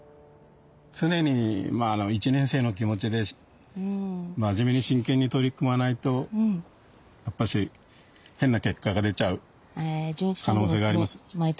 常に１年生の気持ちで真面目に真剣に取り組まないとやっぱし変な結果が出ちゃう可能性があります。